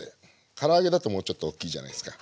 から揚げだともうちょっと大きいじゃないですか。